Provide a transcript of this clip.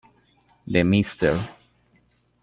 The Mr.